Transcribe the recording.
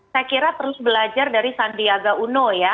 saya kira terus belajar dari sandiaga uno ya